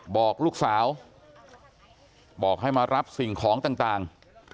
บอกลูกสาวบอกให้มารับสิ่งของต่าง